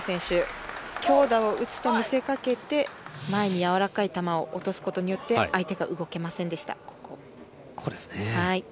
強打を打つとみせかけて前にやわらかい球を落とすことによってここですね。